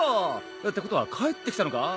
てことは帰ってきたのか？